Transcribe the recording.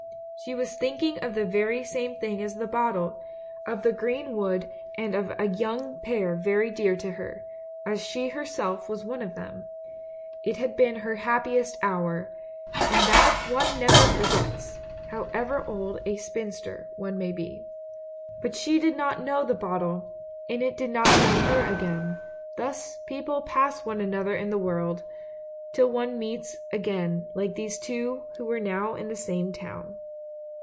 She was thinking of the very same thing as the bottle; of the green wood and of a young pair very dear to her, as she herself was one of them. It had been her happiest hour, and that one never forgets, however old a spinster one may be. But she did not know the bottle, and it did not know her again ; thus people pass one another in the world — till one meets again like these two who were now in the same town.